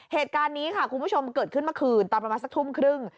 เซ็ทการณีค่ะคุณผู้ชมอดเกิดขึ้นเมื่อขึ้นเต้นมาละสักทุ่มครึ่ง